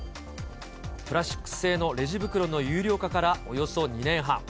プラスチック製のレジ袋の有料化からおよそ２年半。